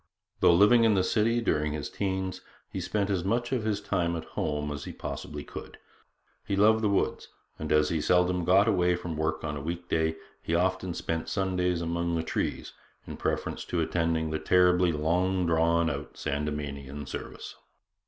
Though living in the city during his teens, he spent as much of his time at home as he possibly could. He loved the woods, and as he seldom got away from work on a week day, he often spent Sundays among the trees in preference to attending the terribly long drawn out Sandemanian service.